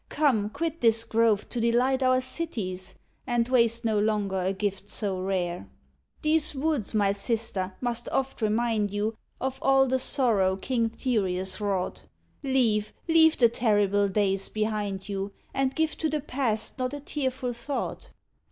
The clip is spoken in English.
Come, quit this grove to delight our cities, And waste no longer a gift so rare. These woods, my sister, must oft remind you Of all the sorrow King Tereus wrought. Leave, leave the terrible days behind you, And give to the past not a tearful thought."